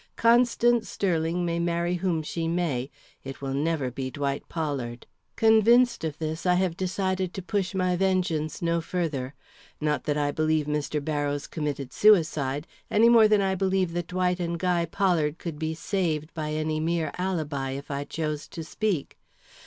Constance Sterling may marry whom she may; it will never be Dwight Pollard. Convinced of this, I have decided to push my vengeance no further. Not that I believe Mr. Barrows committed suicide, any more than I believe that Dwight and Guy Pollard could be saved by any mere alibi, if I chose to speak.